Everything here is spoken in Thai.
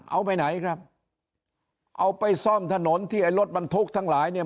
เอาไปไหนครับเอาไปซ่อมถนนที่ไอ้รถบรรทุกทั้งหลายเนี่ย